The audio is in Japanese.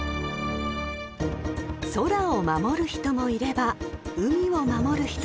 ［空を守る人もいれば海を守る人たちもいます］